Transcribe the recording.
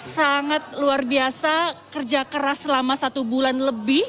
sangat luar biasa kerja keras selama satu bulan lebih